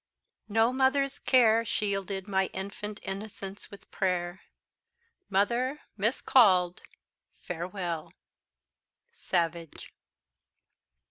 "No mother's care Shielded my infant innocence with prayer: Mother, miscall'd, farewell!" Savage.